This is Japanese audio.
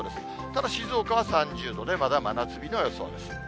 ただ静岡は３０度でまだ真夏日の予想です。